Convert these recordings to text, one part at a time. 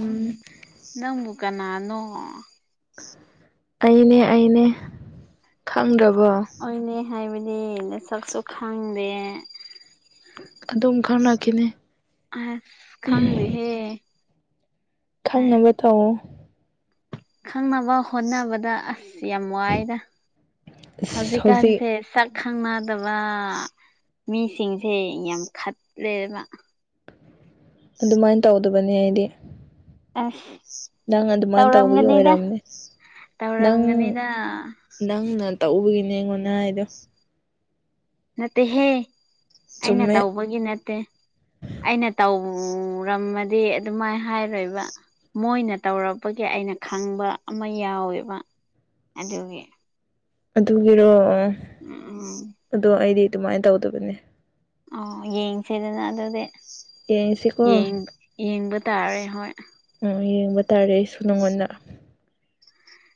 ꯎꯝ ꯅꯪꯃꯨ ꯀꯅꯥꯅꯣ ꯑꯩꯅꯦ ꯑꯩꯅꯦ ꯈꯪꯗ꯭ꯔꯕꯣ ꯑꯣꯏꯅ ꯍꯥꯏꯕꯗꯤ ꯁꯛꯁꯨ ꯈꯪꯗꯦ ꯑꯗꯨꯝ ꯈꯪꯅꯈꯤꯅꯤ ꯑꯁ ꯈꯪꯗꯍꯦ ꯈꯪꯅꯕ ꯇꯑꯣ ꯈꯪꯅꯕ ꯍꯣꯠꯅꯕꯗ ꯑꯁ ꯌꯥꯝ ꯋꯥꯏꯔ ꯑꯁ ꯍꯧꯖꯤꯛ ꯍꯧꯖꯤꯛꯀꯥꯟꯁꯦ ꯁꯛ ꯈꯪꯅꯗꯕ ꯃꯤꯁꯤꯡꯁꯦ ꯌꯥꯝ ꯈꯠꯂꯦꯕ ꯑꯗꯨꯃꯥꯏꯅ ꯇꯧꯗꯕꯅꯤ ꯍꯥꯏꯗꯤ ꯑ ꯅꯪ ꯑꯗꯨꯃꯥꯏꯅ ꯇꯧꯕꯒꯤ ꯑꯣꯏꯔꯝꯅꯦ ꯅꯪ ꯇꯧꯔꯝꯒꯅꯤꯗ ꯎꯝ ꯅ ꯇꯎꯧꯕꯒꯤꯅꯦ ꯑꯩꯉꯣꯟꯅ ꯍꯥꯏꯗꯣ ꯅꯠꯇꯦꯍꯦ ꯑꯩꯅ ꯆꯨꯝꯃꯦ ꯇꯧꯕꯒꯤ ꯅꯠꯇꯦ ꯑꯩꯅ ꯇꯧꯔꯝꯃꯗꯤ ꯑꯗꯨꯃꯥꯏꯅ ꯍꯥꯏꯔꯣꯏꯕ ꯃꯣꯏꯅ ꯇꯧꯔꯛꯄꯒꯤ ꯑꯩꯅ ꯈꯪꯕ ꯑꯃ ꯌꯥꯎꯋꯦꯕ ꯑꯗꯨꯒꯤ ꯑꯗꯨꯒꯤꯔꯣ ꯎ ꯎꯝ ꯑꯗꯣ ꯑꯩꯗꯤ ꯑꯗꯨꯃꯥꯏꯅ ꯇꯧꯗꯕꯅꯦ ꯑꯣ ꯌꯦꯡꯁꯤꯗꯅ ꯑꯗꯨꯗꯤ ꯌꯦꯡꯁꯤꯀꯣ ꯌꯦꯡꯕ ꯇꯥꯔꯦ ꯍꯣꯏ ꯑꯣ ꯌꯦꯡꯕ ꯇꯥꯔꯦ ꯑꯩꯁꯨ ꯅꯪꯉꯣꯟꯗ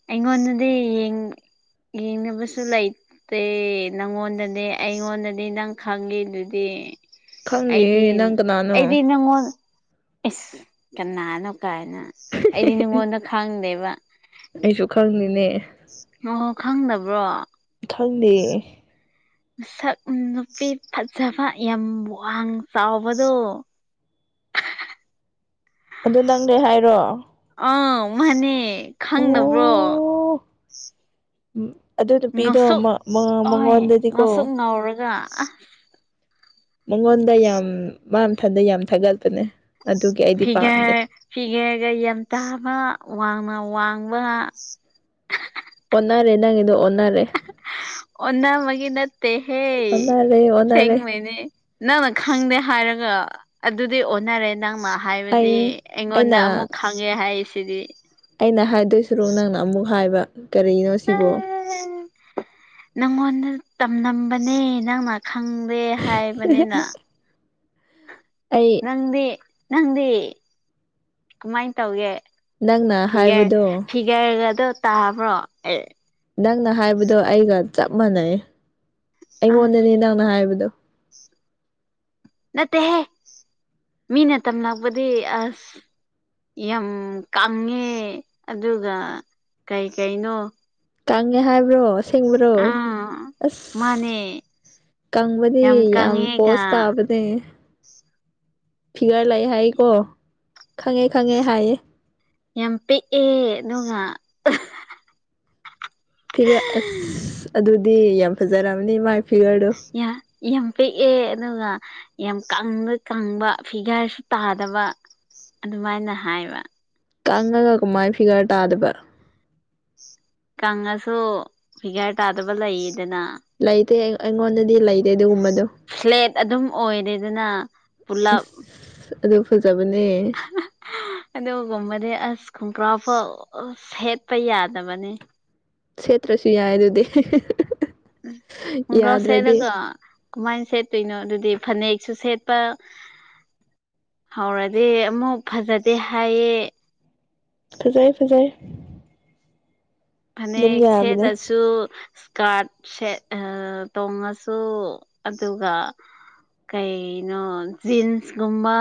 ꯑꯩꯉꯣꯟꯗꯗꯤ ꯌꯦꯡ ꯌꯦꯡꯅꯕꯁꯨ ꯂꯩ ꯅꯪꯉꯣꯟꯗꯗꯤ ꯑꯩꯉꯣꯟꯗꯗꯤ ꯅꯪ ꯈꯪꯉꯤꯗꯨꯗꯤ ꯈꯪꯗꯦ ꯑꯩꯗꯤ ꯅꯪ ꯀꯅꯥꯅꯣ ꯑꯩꯗꯤ ꯅꯪꯉꯣꯟ ꯏꯁ ꯀꯅꯥꯅꯣ ꯀꯥꯏꯅ ꯑꯩꯗꯤ ꯅꯉꯣꯟꯗ ꯈꯪꯗꯦꯕ ꯑꯩꯁꯨ ꯈꯪꯅꯤꯅꯦ ꯑꯣ ꯈꯪꯗꯕ꯭ꯔꯣ ꯈꯪꯗꯦ ꯃꯁꯛ ꯅꯨꯄꯤ ꯐꯖꯕ ꯌꯥꯝ ꯋꯥꯡ ꯆꯥꯎꯕꯗꯣ ꯑꯗꯨ ꯅꯪꯅꯦ ꯍꯥꯏꯔꯣ ꯑꯥ ꯃꯥꯅꯦ ꯈꯪꯗꯕ꯭ꯔꯣ ꯑꯣ ꯎꯝ ꯑꯗꯨ ꯅꯨꯄꯤꯗꯣ ꯉꯧꯁꯣꯛ ꯃ ꯍꯣꯏ ꯃꯉꯣꯟꯗꯗꯤꯀꯣ ꯉꯧꯁꯣꯛ ꯉꯧꯔꯒ ꯑꯁ ꯃꯉꯣꯟꯗ ꯌꯥꯝ ꯃꯥ ꯃꯊꯟꯗ ꯌꯥꯝ ꯊꯥꯒꯠꯄꯅꯦ ꯑꯗꯨꯒꯤ ꯑꯩꯗꯤ ꯄꯥꯝꯗꯦ ꯐꯤꯒꯔ ꯐꯤꯒꯦꯒ ꯌꯥꯝꯟꯇꯥꯥꯕ ꯋꯥꯡꯅ ꯋꯥꯡꯕ ꯑꯣꯟꯅꯔꯦ ꯅꯪꯣ ꯑꯣꯟꯅꯔꯦ ꯑꯣꯅꯕꯒꯤ ꯅꯠꯇꯦꯍꯦ ꯑꯣꯟꯅꯔꯦ ꯑꯣꯟꯅꯔꯦ ꯁꯦꯡꯕꯩꯅꯦ ꯅꯪꯅ ꯈꯪꯗꯦ ꯍꯥꯏꯔꯒ ꯑꯗꯨꯗꯤ ꯑꯣꯟꯅꯔꯦ ꯅꯪꯅ ꯍꯥꯏꯕꯗꯤ ꯑꯩ ꯑꯩꯉꯣꯟꯗ ꯑꯩꯅ ꯑꯃꯨꯛ ꯈꯪꯉꯦ ꯍꯥꯏꯁꯤꯗꯤ ꯑꯩꯅ ꯍꯥꯏꯗꯣꯏꯁꯔꯣꯛ ꯅꯪꯅ ꯑꯃꯨꯛ ꯍꯥꯏꯕ ꯀꯔꯤꯅꯣ ꯁꯤꯕꯣ ꯅꯪꯉꯣꯟꯗ ꯇꯝꯂꯝꯕꯅꯦ ꯅꯪꯅ ꯈꯪꯗꯦ ꯍꯥꯏꯕꯅꯤꯅ ꯑꯩ ꯅꯪꯗꯤ ꯅꯪꯗꯤ ꯀꯃꯥꯏꯟ ꯇꯧꯒꯦ ꯅꯪꯅ ꯐꯤꯒꯔ ꯍꯥꯏꯕꯗꯣ ꯐꯤꯒꯔꯒꯗꯣ ꯇꯥꯕ꯭ꯔꯣ ꯑꯦ ꯅꯪꯅ ꯍꯥꯏꯕꯗꯣ ꯑꯩꯒ ꯆꯞ ꯃꯥꯟꯅꯩ ꯑꯁ ꯑꯩꯉꯣꯟꯗꯅꯦ ꯅꯪꯅ ꯍꯥꯏꯕꯗꯣ ꯅꯠꯇꯦꯍꯦ ꯃꯤꯅ ꯇꯝꯂꯛꯄꯗꯤ ꯑꯁ ꯌꯥꯝ ꯀꯪꯉꯦ ꯑꯗꯨꯒ ꯀꯩ ꯀꯩꯅꯣ ꯀꯪꯉꯦ ꯍꯥꯏꯕ꯭ꯔꯣ ꯑꯁꯦꯡꯕ꯭ꯔꯣ ꯑꯥ ꯑꯁ ꯃꯥꯅꯦ ꯀꯪꯕꯗꯤ ꯌꯥꯝ ꯄꯣꯁ ꯇꯥꯕ ꯑꯦ ꯐꯤꯒꯔ ꯂꯩꯌꯦ ꯍꯥꯏꯀꯣ ꯈꯪꯉꯦ ꯈꯪꯉꯦ ꯍꯥꯏꯌꯦ ꯌꯥꯝ ꯄꯤꯛꯑꯦ ꯑꯗꯨꯒ ꯐꯤꯒꯔ ꯑꯁ ꯑꯗꯨꯗꯤ ꯌꯥꯝ ꯐꯖꯔꯝꯅꯤ ꯃꯥꯏ ꯐꯤꯒꯔꯗꯨ ꯌꯥ ꯌꯥꯝ ꯄꯤꯛꯑꯦ ꯑꯗꯨꯒ ꯌꯥꯝ ꯀꯪꯕ ꯀꯪꯕ ꯐꯤꯒꯥꯔꯁꯨ ꯇꯥꯗꯕ ꯑꯗꯨꯃꯥꯏꯅ ꯍꯥꯏꯕ ꯀꯪꯉꯒ ꯀꯃꯥꯏꯅ ꯐꯤꯒꯔ ꯇꯥꯗꯕ ꯀꯪꯉꯁꯨ ꯐꯤꯒꯔ ꯇꯥꯗꯕ ꯂꯩꯌꯦꯗꯅ ꯂꯩꯇꯦ ꯑꯩꯉꯣꯟꯗꯗꯤ ꯂꯩ ꯐ꯭ꯂꯦꯠ ꯑꯗꯨꯝ ꯑꯣꯏꯔꯦꯗꯅ ꯄꯨꯂꯞ ꯑꯁ ꯑꯗꯨ ꯐꯖꯕꯅꯦ ꯑꯗꯨꯒꯨꯝꯕꯗꯤ ꯑꯁ ꯈꯣꯡꯒꯔꯥꯎ ꯐꯥꯎ ꯁꯦꯠꯄ ꯌꯥꯗꯕꯅꯤ ꯁꯦꯠꯇ꯭ꯔꯁꯨ ꯌꯥꯏ ꯑꯗꯨꯗꯤ ꯈꯣꯡꯒ꯭ꯔꯥꯎ ꯌꯥꯗ꯭ꯔꯗꯤ ꯁꯦꯠꯂꯒ ꯀꯃꯥꯏꯅ ꯁꯦꯠꯇꯣꯏꯅꯣ ꯑꯗꯨꯗꯤ ꯐꯅꯦꯛꯁꯨ ꯁꯦꯠꯄ ꯍꯧꯔꯗꯤ ꯑꯃꯨꯛ ꯐꯖꯗꯦ ꯍꯥꯏꯌꯦ ꯐꯖꯩ ꯐꯖꯩ ꯑꯗꯨꯝ ꯐꯅꯦꯛ ꯌꯥꯕꯅꯦ ꯁꯦꯠꯂ ꯁꯨ ꯏꯁꯀꯥꯔꯠ ꯁꯦꯠ ꯇꯣꯡꯉꯁꯨ ꯑꯗꯨꯒ ꯀꯩꯅꯣ ꯖꯤꯟꯁꯀꯨꯝꯕ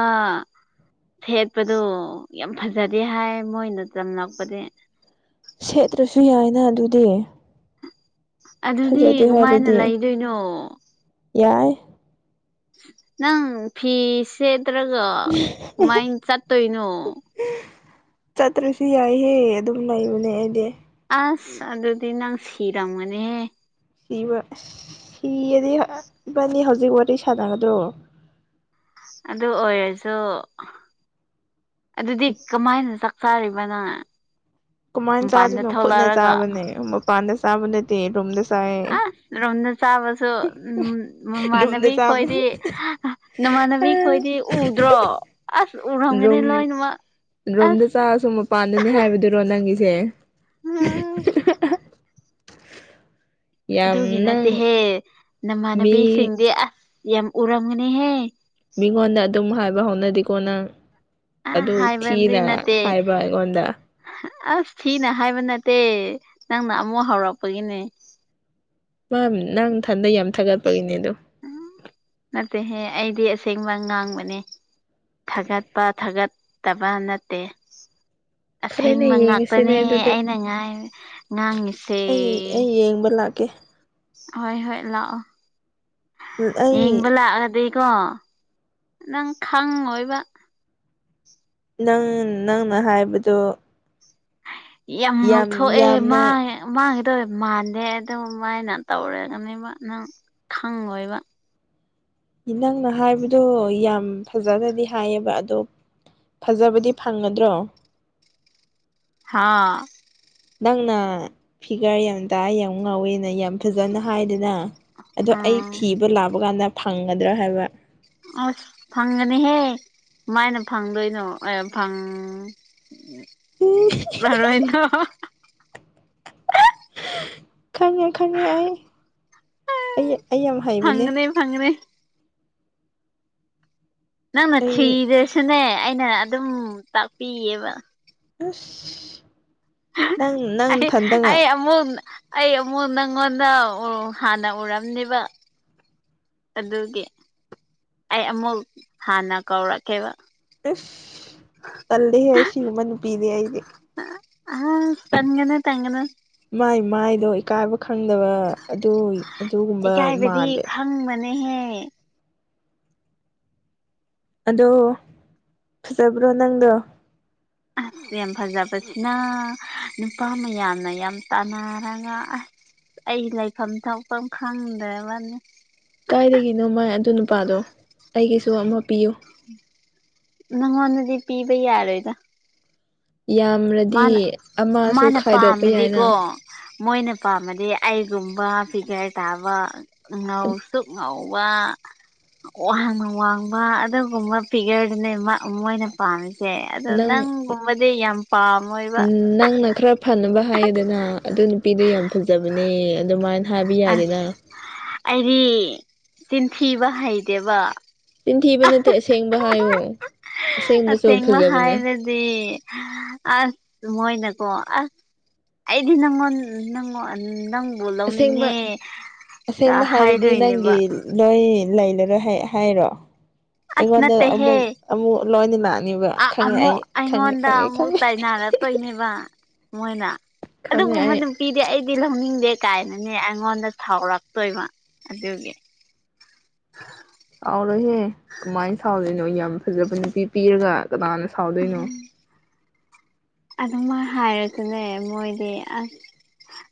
ꯁꯦꯠꯄꯗꯣ ꯌꯥꯝ ꯐꯖꯗꯦ ꯍꯥꯏ ꯃꯣꯏꯅ ꯇꯝꯂꯛꯄꯗꯤ ꯁꯦꯠꯇ꯭ꯔꯁꯨ ꯌꯥꯏꯅ ꯑꯗꯨꯗꯤ ꯑꯗꯨꯗꯤ ꯐꯖꯗꯦ ꯀꯃꯥꯏꯅ ꯍꯥꯏꯔꯗꯤ ꯂꯩꯗꯣꯏꯅꯣ ꯌꯥꯏ ꯅꯪ ꯐꯤ ꯁꯦꯠꯇ꯭ꯔꯒ ꯀꯃꯥꯏꯅ ꯆꯠꯇꯣꯏꯅꯣ ꯆꯠꯇ꯭ꯔꯁꯨ ꯌꯥꯏꯍꯦ ꯑꯗꯨꯝ ꯂꯩꯕꯅꯦ ꯑꯩꯗꯤ ꯑꯁ ꯑꯗꯨꯗꯤ ꯅꯪ ꯁꯤꯔꯝꯒꯅꯤꯍꯦ ꯁꯤꯕ ꯑꯁ ꯁꯤꯔꯗꯤꯏꯕꯅꯤ ꯍꯧꯖꯤꯛ ꯋꯥꯔꯤ ꯁꯥꯟꯅꯒꯗ꯭ꯔꯣ ꯑꯗꯨ ꯑꯣꯏꯔꯁꯨ ꯑꯗꯨꯗꯤ ꯀꯃꯥꯏꯅ ꯆꯛ ꯇꯥꯔꯤꯕꯥ ꯅꯪ ꯀꯃꯥꯏꯅ ꯃꯄꯥꯟꯗ ꯆꯥꯗꯣꯏꯅꯣ ꯈꯨꯠꯅ ꯊꯣꯛꯂꯛꯑꯒ ꯆꯥꯕꯅꯦ ꯃꯄꯥꯟꯗ ꯆꯥꯕ ꯅꯠꯇꯦ ꯔꯨꯝꯗꯥ ꯑꯥ ꯔꯨꯝꯗ ꯆꯥꯕꯥ ꯁꯨ ꯑꯝ ꯔꯨꯝꯗ ꯃꯃꯥꯟꯅꯕꯤ ꯆꯥꯕ ꯈꯣꯏꯗꯤ ꯅꯃꯥꯟꯅꯕꯤ ꯈꯣꯏꯗꯤ ꯎꯗ꯭ꯔꯣ? ꯑꯁ ꯎꯔꯝꯒꯅꯤ ꯔꯨꯝ ꯂꯣꯏꯅ ꯃꯛ ꯔꯨꯝꯗ ꯆꯥꯔꯁꯨ ꯃꯄꯥꯟꯗꯅꯦ ꯍꯥꯏꯕꯗꯨꯔꯣ ꯅꯪꯒꯤꯁꯦ? [unintelligible] ꯌꯥꯝ ꯑꯗꯨꯒꯤ ꯅꯪ ꯅꯠꯇꯦꯍꯦ ꯃꯤ ꯅꯃꯥꯟꯅꯕꯤꯁꯤꯡꯗꯤ ꯑꯁ ꯌꯥꯝ ꯎꯔꯝꯒꯅꯤꯍꯦ ꯃꯤꯉꯣꯟꯗ ꯑꯗꯨꯝ ꯍꯥꯏꯕ ꯍꯧꯅꯗꯤꯀꯣ ꯅꯪ ꯑ ꯑꯗꯨ ꯍꯥꯏꯕꯗꯤ ꯊꯤꯅ ꯅꯠꯇꯦ ꯍꯥꯏꯕ ꯑꯩꯉꯣꯟꯗ ꯑꯁ ꯊꯤꯅ ꯍꯥꯏꯕ ꯅꯠꯇꯦ ꯅꯪꯅ ꯑꯃꯨꯛ ꯍꯧꯔꯛꯄꯒꯤꯅꯦ [unintelligible] ꯅꯪꯊꯟꯗ ꯌꯥꯝ ꯊꯥꯒꯠꯄꯒꯤꯅꯦ ꯑꯗꯄ ꯎꯝ ꯅꯠꯇꯦꯍꯦ ꯑꯩꯗꯤ ꯑꯁꯦꯡꯕ ꯉꯥꯡꯕꯅꯦ ꯊꯥꯒꯠꯄ ꯊꯥꯒꯠꯇꯕ ꯅꯠꯇꯦ ꯐꯔꯦꯅꯦ ꯑꯁꯦꯡꯕ ꯌꯦꯡꯉꯁꯤꯅꯦ ꯉꯥꯛꯇꯅꯦ ꯑꯗꯨꯗꯤ ꯑꯩꯅ ꯉꯥꯏ ꯉꯥꯡꯉꯤꯁꯦ ꯌꯦꯡꯕꯥ ꯂꯥꯛꯀꯦ꯫ ꯍꯣꯏ ꯍꯣꯏ ꯂꯥꯛꯑꯣ ꯑꯩ ꯌꯦꯡꯕꯥ ꯂꯥꯛ ꯑꯗꯤ ꯀꯣ ꯅꯪ ꯈꯪꯉꯣꯏꯕꯥ꯫ ꯅꯪ ꯅꯪꯅꯥ ꯍꯥꯏꯕꯗꫭ ꯌꯥꯝ ꯉꯧꯊꯣꯛꯑꯦ ꯌꯥꯝꯅ ꯃꯥꯥꯏ꯫ ꯃꯥꯒꯤꯗꯣ ꯃꯥꯟꯗꯦ ꯑꯗꯨꯃꯥꯏꯅ ꯇꯧꯔꯒꯅꯦꯕ ꯅꯪ ꯈꯪꯉꯣꯏꯕ ꯅꯪꯅ ꯍꯥꯏꯕꯗꯣ ꯌꯥꯝ ꯐꯖꯅꯗꯤ ꯍꯥꯏꯌꯦꯕ ꯑꯗꯣ ꯐꯖꯕꯗꯤ ꯐꯪꯉꯗ꯭ꯔꯣ? ꯍꯥꯥ ꯅꯪꯅ ꯐꯤꯒꯜ ꯌꯥꯝ ꯇꯥꯏ ꯌꯥꯝ ꯉꯧꯋꯦꯅ ꯌꯥꯝ ꯐꯖꯅ ꯍꯥꯏꯗꯥꯅ. ꯑꯗꯣ ꯑꯩ ꯎꯝ ꯊꯤꯕꯥ ꯂꯥꯛꯄꯀꯥꯟꯗ ꯐꯪꯒꯗ꯭ꯔꯥ ꯍꯥꯏꯕ? ꯑꯁ ꯐꯪꯒꯅꯤꯍꯦ ꯀꯃꯥꯏꯅ ꯐꯪꯗꯣꯏꯅꯣ ꯐꯪ ꯎꯝ [unintelligible] ꯈꯪꯉꯦ ꯈꯪꯉꯦ ꯑꯩ ꯑꯩ ꯑꯩ ꯌꯥꯝ ꯍꯩꯕꯅꯦ ꯐꯪꯒꯅꯤ ꯐꯪꯒꯅꯤ ꯅꯪꯅ ꯑꯩ ꯊ꯭ꯔꯤꯗꯔꯁꯨꯅꯦ ꯑꯩꯅ ꯑꯗꯨꯝ ꯇꯥꯛꯄꯤꯒꯌꯦꯕ꯫ ꯑꯥꯁ ꯅꯪ ꯅꯪꯅ ꯅꯊꯟꯇꯅꯥ ꯑꯃꯨꯟ ꯑꯩ ꯑꯃꯨꯛ ꯅꯪꯉꯣꯟꯗ ꯍꯥ ꯍꯥꯟꯅ ꯎꯔꯝꯅꯤꯕꯤ ꯑꯗꯨꯒꯤ ꯑꯩ ꯑꯃꯨꯛ ꯍꯥꯟꯅ ꯀꯧꯔꯛꯀꯦꯕ ꯏꯁ ꯇꯜꯔꯤ ꯍꯦ ꯁꯤꯒꯨꯝꯕ ꯅꯨꯄꯤꯗꯤ ꯑꯩꯗꯤ ꯑꯥ ꯇꯟꯒꯅꯨ ꯇꯟꯒꯅꯨ ꯃꯥꯏ ꯃꯥꯏꯗꯣ ꯏꯀꯥꯏꯕ ꯈꯪꯗꯕ ꯑꯗꯨ ꯑꯗꯨꯒꯨꯝꯕ ꯃꯥꯜꯂꯦ ꯈꯪꯕꯅꯦ ꯍꯦ ꯑꯗꯣ ꯐꯖꯕ꯭ꯔꯣ ꯅꯪꯗꯣ ꯑꯁ ꯌꯥꯝ ꯐꯖꯕꯁꯤꯅ ꯅꯨꯄꯥ ꯃꯌꯥꯝꯅꯒꯥ ꯌꯥꯝ ꯇꯥꯅꯔꯒ ꯑꯥꯁ ꯑꯩ ꯂꯩꯐꯝ ꯆꯥꯐꯝ ꯈꯪꯗ꯭ꯔꯕꯅꯤ ꯀꯥꯏꯗꯒꯤꯅꯣ ꯃꯥꯏ ꯑꯗꯨ ꯅꯨꯄꯥꯗꯣ ꯑꯩꯒꯤꯁꯨ ꯑꯃꯇꯥ ꯄꯤꯌꯨ꯫ ꯅꯉꯣꯟꯗꯗꯤ ꯄꯤꯕ ꯌꯥꯔꯣꯏꯗꯥ꯫ ꯌꯥꯝꯔꯦ ꯃꯥꯅ ꯃꯥꯅ ꯌꯥꯏꯅ ꯄꯥꯝꯃꯥꯗꯤꯀꯣ ꯃꯣꯏꯅ ꯄꯥꯝꯃꯗꯤ ꯑꯩꯒꯨꯝꯕ ꯐꯤꯒꯔ ꯇꯥꯕ ꯉꯧꯁꯨꯛ ꯉꯧꯕꯥ ꯋꯥꯡꯅ ꯋꯥꯡꯕ ꯑꯗꯨꯒꯨꯝꯕ ꯐꯤꯒꯔꯗꯨꯅꯦ ꯃꯥ ꯃꯣꯏꯅ ꯄꯥꯝꯃꯤꯁꯦ ꯑꯗꯣ ꯅꯪꯒꯨꯝꯕꯗꯤ ꯌꯥꯝ ꯄꯥꯝꯃꯣꯏꯕ ꯎꯝ ꯅꯪꯅ ꯈꯔ ꯐꯅꯕ ꯍꯥꯏꯌꯦꯗꯅ ꯑꯗꯨ ꯅꯨꯄꯤꯗꯣ ꯌꯥꯝ ꯐꯖꯕꯅꯦ ꯑꯗꯨꯃꯥꯏꯅ ꯍꯥꯏꯕ ꯑꯁ ꯌꯥꯏꯗꯅ ꯑꯩꯗꯤ ꯆꯤꯟꯊꯤꯕ ꯍꯩꯇꯦꯕ ꯆꯤꯟꯊꯤꯕ ꯅꯠꯇꯦ ꯑꯁꯦꯡꯕ ꯍꯥꯏꯌꯣ ꯑꯁꯦꯡꯕꯁꯨ ꯑꯁꯦꯡꯕ ꯐꯖꯕꯅꯦ [unintelligible] ꯃꯣꯏꯅꯀꯣ ꯑꯁ ꯑꯩꯗꯤ ꯅꯪꯉꯣꯟ ꯅꯪꯉꯣꯟ ꯅꯪ ꯕꯨ ꯑꯁꯦꯡꯕ ꯂꯧꯅꯤꯡꯉꯦ ꯍꯥꯏꯗꯣꯏꯅꯦꯕ ꯂꯩ ꯂꯩꯔꯔꯣꯏ ꯍꯥꯏ ꯍꯥꯏꯔꯣ? ꯑꯁ ꯑꯩꯉꯣꯟꯗ ꯅꯠꯇꯦꯍꯦ ꯑꯃꯨꯛ ꯑꯃꯨꯛ ꯂꯣꯏꯅ ꯂꯥꯛꯑꯅꯦꯕ ꯈꯪꯉꯦ ꯑꯩ ꯈꯪꯉꯦ ꯈꯪꯉꯦ ꯈꯪꯉꯦ ꯀꯩꯅꯦꯕ ꯃꯣꯏꯅ ꯈꯪꯉꯦ ꯑꯩ ꯑꯗꯨꯒꯨꯝꯕꯗꯨ ꯅꯨꯄꯤꯗꯤ ꯑꯩꯗꯤ ꯂꯧꯅꯤꯡꯗꯦ ꯀꯥꯏꯅꯅꯦ ꯑꯩꯉꯣꯟꯗ ꯁꯥꯎꯔꯛꯇꯣꯏꯕ ꯑꯗꯨꯒꯤ ꯑ [inaudible] ꯁꯥꯎꯔꯣꯏꯍꯦ ꯀꯃꯥꯏꯅ ꯁꯥꯎꯗꯣꯏꯅꯣ ꯌꯥꯝ ꯐꯖꯕ ꯅꯨꯄꯤ ꯄꯤꯔꯒ ꯀꯅꯥꯅ ꯁꯥꯎꯗꯣꯏꯅꯣ ꯎꯝ ꯑꯗꯨꯃꯥꯏ ꯍꯥꯏꯔꯁꯨꯅꯦ ꯃꯣꯏꯗꯤ ꯑꯁ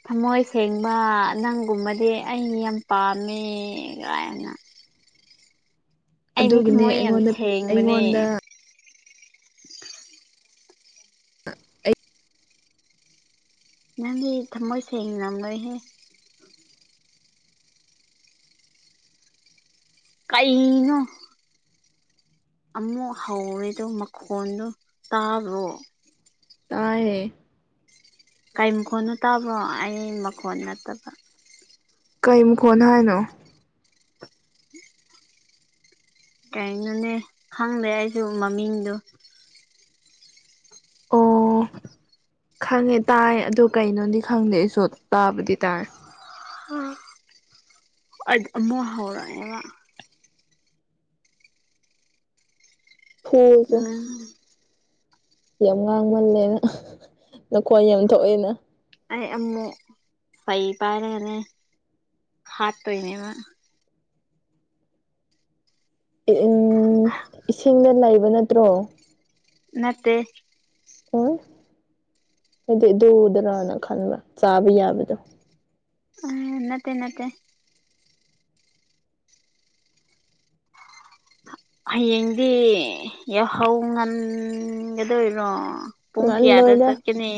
ꯊꯃꯣꯏ ꯁꯦꯡꯕ ꯅꯪꯒꯨꯝꯕꯗꯤ ꯑꯩꯩ ꯌꯥꯝ ꯄꯥꯝꯃꯦ ꯀꯥꯏꯅ ꯑꯩꯗꯤ ꯑꯗꯨꯒꯤꯅꯦ ꯊꯃꯣꯏ ꯌꯥꯝ ꯑꯩꯉꯣꯟꯗ ꯁꯦꯡꯕꯅꯦ ꯑꯩꯉꯣꯟꯗ ꯑ ꯑꯩ ꯅꯪꯗꯤ ꯊꯃꯣꯏꯁꯦꯡ ꯂꯝꯂꫭꯏꯍꯦ ꯀꯩꯅꯣ ꯑꯃꯨꯛ ꯍꯧꯔꯦꯗꯣ ꯃꯈꯣꯟꯗꯣ ꯇꯥꯕ꯭ꯔꯣ ꯇꯥꯏꯌꯦ ꯀꯩ ꯃꯈꯣꯟꯅꯣ ꯇꯥꯕꯔꫭ ꯑꯩ ꯃꯈꯣꯟ ꯅꯠꯇꯕ ꯀꯩ ꯃꯈꯣꯟꯅꯦ ꯍꯥꯏꯅꯣ ꯀꯩꯅꯣꯅꯦ ꯈꯪꯗꯦ ꯑꯩꯁꯨ ꯃꯃꯤꯡꯗꯨ ꯑꯣ ꯑ [inaudible] ꯈꯪꯉꯦ ꯇꯥꯏ ꯑꯗꯨ ꯀꯩꯅꯣꯗꯤ ꯈꯪꯗꯦ ꯑꯩꯁꯨ ꯇꯥꯕꯗꯤ ꯇꯥꯏ ꯍ ꯑꯃꯨꯛ ꯍꯧꯔꯛ ꯑꯦꯕ ꯐꫭꯜꯆ ꯎꯝ ꯌꯥꯝ ꯉꯥꯡꯃꯜꯂꯦꯅ ꯅꯈꯣꯟ ꯌꯥꯝ ꯊꯣꯛꯑꯦꯅ ꯑꯩ ꯑꯃꯨꯛ ꯐꯩ ꯄꯥꯏꯔꯒꯅꯦ ꯍꯥꯠꯇꯣꯏꯅꯦꯕ ꯎꯝ ꯏꯁꯤꯡꯗ ꯂꯩꯕ ꯅꯠꯇ꯭ꯔꯣ ꯅꯠꯇꯦ ꯍ ꯑꯩꯗꯤ ꯑꯗꯨꯗꯔꯅ ꯈꯟꯕ ꯆꯥꯕ ꯌꯥꯕꯗꯣ ꯑ ꯅꯠꯇꯦ ꯅꯠꯇꯦ ꯍꯌꯦꯡꯗꯤ ꯌꯥꯍꯧ ꯉꯟꯒꯗꯣꯏꯔꯣ ꯄꯨꯡ ꯀꯌꯥꯗ ꯉꯟꯂꯣꯏꯗ ꯆꯠꯀꯅꯤ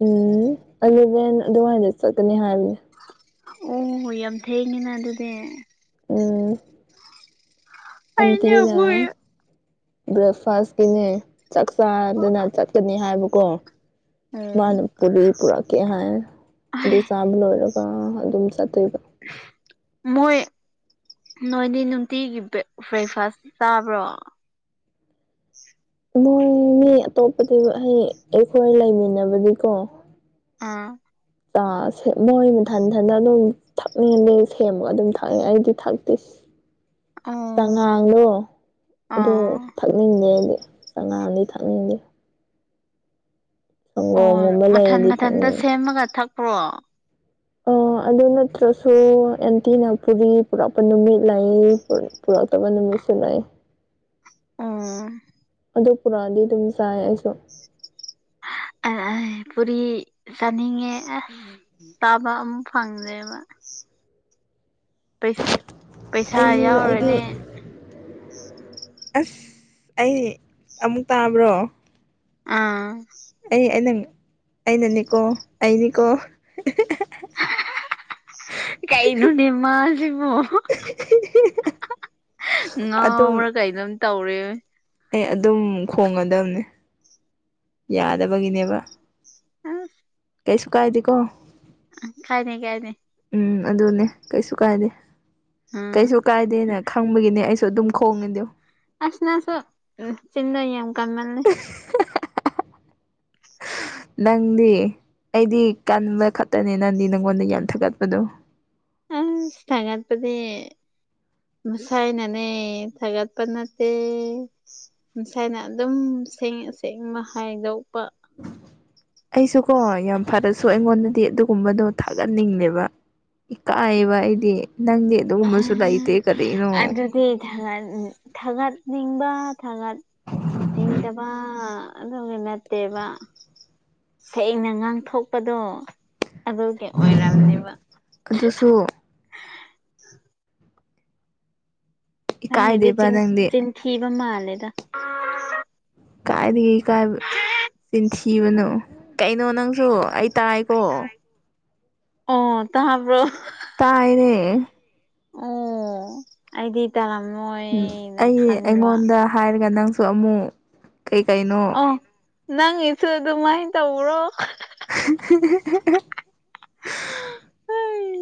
ꯎꯝ ꯑꯂꯚꯦꯟ ꯑꯗꯨꯋꯥꯏꯗ ꯆꯠꯀꯅꯤ ꯍꯥꯏꯕꯅꯦ ꯑꯣ ꯌꯥꯝ ꯊꯦꯡꯉꯤꯅ ꯑꯗꯨꯗꯤ ꯎꯝ ꯑꯃꯨꯛ ꯑꯩꯅꯦ ꯀꯤꯗꯨꯅ ꯃꯣꯏ ꯕ꯭ꯔꯦꯛꯐꯥꯁꯀꯤꯅꯦ ꯆꯥꯛ ꯆꯥꯗꯅ ꯆ ꯆꯠꯅꯤ ꯍꯥꯏꯕꯀꯣ ꯎꯝ ꯃꯥꯅ ꯄꯨꯗꯤ ꯄꯨꯔꯛ ꯀꯩ ꯍꯥꯏꯅꯤ ꯑꯗꯨ ꯆꯥꯕ ꯂꯣꯏꯔꯒ ꯑꯗꯨꯝ ꯆꯠꯇꯣꯏꯕ ꯃꯣꯏ ꯅꯣꯏꯗꯤ ꯅꯨꯡꯇꯤꯒꯤ ꯕꯦꯛ ꯕ꯭ꯔꯦꯛꯐꯥꯁ ꯆꯥꯕ꯭ꯔꯣ ꯃꯣꯏ ꯃꯤ ꯑꯇꯣꯞꯄꯗꯤ ꯍꯥꯢꯗꯤ ꯑꯩꯈꯣꯏ ꯂꯩꯃꯤꯟꯅꯕꯗꯤꯀꯣ ꯑꯥ ꯑ ꯃꯣꯏ ꯃꯊꯟꯊꯟꯅ ꯑꯗꯨꯝ ꯊꯛꯅꯤꯡꯗꯤ ꯁꯦꯝꯃꯒ ꯑꯗꯨꯝ ꯊꯛꯑꯦ ꯑꯩꯗꯤ ꯊꯛꯇꯦ ꯑꯣ ꯆꯉꯥꯡꯗꯣ ꯑꯗꯣ ꯑꯥ ꯊꯛꯅꯤꯡꯗꯦ ꯑꯩꯗꯤ ꯆꯥꯉꯥꯡꯗꯤ ꯊꯛꯅꯤꯡꯗꯦ ꯑꯣꯝ ꯁꯪꯒꯣꯝꯒꯨꯝꯕ ꯃꯊꯟ ꯂꯩꯔꯗꯤ ꯃꯊꯟꯗ ꯊꯛꯅꯤꯡꯉꯦ ꯁꯦꯝꯃꯒ ꯊꯛꯄ꯭ꯔꯣ ꯑ ꯑꯗꯨ ꯅꯠꯇ꯭ꯔꯁꯨ ꯑꯦꯟꯇꯤꯅ [unintelligible] ꯄꯨꯔꯛꯄ ꯅꯨꯃꯤꯠ ꯂꯩ ꯄꯨꯔꯛꯇꯕ ꯅꯨꯃꯤꯠꯁꯨ ꯂꯥꯛꯌꯦ ꯎꯝ ꯑꯗꯨ ꯄꯨꯔꯛꯑꯗꯤ ꯑꯗꯨꯝ ꯆꯥꯏ ꯑꯩꯁꯨ ꯑꯩ ꯑꯩ ꯄꯨꯔꯤ ꯆꯥꯅꯤꯡꯉꯦ ꯑ ꯇꯥꯕ ꯑꯃꯨꯛ ꯐꯪꯗꯦꯕ ꯄꯩꯁ ꯄꯩꯁꯥ ꯑꯩ ꯑꯩꯗꯤ ꯌꯥꯎꯔꯅꯤ ꯑꯁ ꯑꯩ ꯑꯃꯨꯛ ꯇꯥꯕ꯭ꯔꯣ ꯑꯥ ꯑꯩ ꯑꯩꯅ ꯑꯩꯅꯅꯦꯀꯣ ꯑꯩꯅꯤꯀꯣ ꯀꯩꯅꯣꯅꯦ ꯃꯥꯁꯤꯕꯣ ꯑꯗꯨꯝ ꯉꯥꯎꯕ꯭ꯔꯥ ꯀꯩꯅꯣꯝ ꯇꯧꯔꯦꯃꯦ ꯑꯩ ꯑꯗꯨꯝ ꯈꯣꯡꯉꯗꯝꯅꯦ ꯌꯥꯗꯕꯒꯤꯅꯦꯕ [unintelligible] ꯀꯩꯁꯨ ꯀꯥꯏꯗꯦꯀꯣ ꯀꯥꯏꯅꯦ ꯀꯥꯏꯅꯦ ꯎꯝ ꯑꯗꯨꯅꯦ ꯀꯩꯁꯨ ꯀꯥꯏꯗꯦ ꯎꯝ ꯀꯩꯁꯨ ꯀꯥꯏꯗꯦꯅ ꯈꯪ ꯃꯣꯢꯒꯤꯅꯦ ꯑꯩꯁꯨ ꯑꯗꯨꯝ ꯈꯣꯡꯉꯤꯗꯣ ꯑꯁ ꯅꯁꯨ ꯆꯤꯟꯅ ꯌꯥꯝ ꯀꯟꯃꯜꯂꯦ [unintelligible] ꯅꯪꯗꯤ ꯑꯩꯗꯤ ꯀꯟꯕ ꯈꯛꯇꯅꯦ ꯅꯪꯗꯤ ꯅꯉꯣꯟꯗ ꯌꯥꯝꯟ ꯊꯥꯒꯠꯄꯗꯣ ꯑꯁ ꯊꯥꯒꯠꯄꯗꯤ ꯃꯁꯥꯏꯅꯅꯦ ꯊꯥꯒꯠꯄ ꯅꯠꯇꯦ ꯃꯁꯥꯏꯅ ꯑꯗꯨꯝ ꯁꯦꯡ ꯑꯁꯦꯡꯕ ꯍꯥꯏꯗꯣꯛꯄ ꯑꯩꯁꯨꯀꯣ ꯌꯥꯝ ꯐꯔꯁꯨ ꯑꯩꯉꯣꯟꯗꯗꯤ ꯑꯗꯨꯒꯨꯝꯕꯗꯣ ꯊꯥꯒꯠꯅꯤꯡꯗꯦꯕ ꯏꯀꯥꯏꯌꯦꯕ ꯑꯩꯗꯤ ꯅꯪꯗꯤ ꯑꯗꯨꯒꯨꯝꯕꯁꯨ ꯂꯩꯇꯦ ꯀꯔꯤꯅꯣ ꯑ ꯊꯥꯒꯠ ꯊꯥꯒꯠꯅꯤꯡꯕ ꯊꯥꯒꯠ ꯅꯤꯡꯗꯕ ꯑꯗꯨꯒꯤ ꯅꯠꯇꯦꯕ ꯁꯦꯡꯅ ꯉꯥꯡꯊꯣꯛꯄꯗꯣ ꯑꯗꯨꯒꯤ ꯑꯣꯏꯔꯝꯅꯤꯕ ꯑꯗꯨꯁꯨ ꯅꯪꯉꯤꯗꯤ ꯏꯀꯥꯏꯗꯦꯕ ꯆꯤꯡ ꯅꯪꯗꯤ ꯆꯤꯟ ꯊꯤꯕ ꯃꯥꯜꯂꯦꯗ ꯀꯥꯏꯗꯒꯤ ꯀꯥꯏꯕ ꯆꯤꯟꯊꯤꯕꯅꯣ ꯀꯩꯅꯣ ꯅꯪꯁꯨ ꯑꯩ ꯇꯥꯏꯀꯣ ꯑꯣ ꯇꯥꯕ꯭ꯔꯣ ꯇꯥꯏꯅꯦ ꯑꯣ ꯑꯩꯗꯤ ꯇꯥꯔꯝꯃꯣꯏꯅ ꯑꯩ ꯈꯟꯕ ꯑꯩꯉꯣꯟꯗ ꯍꯥꯏꯔꯒ ꯅꯪꯁꯨ ꯑꯃꯨ ꯑꯣ ꯅꯪꯒꯤꯁꯨ ꯑꯗꯨꯃꯥꯏ ꯇꯧꯕ꯭ꯔꯣ [unintelligible] ꯍꯩ